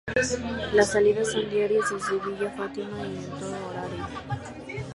Las salidas son diarias desde Villa Fátima y en todo horario.